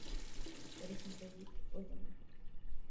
Por ejemplo: Bic o Yamaha.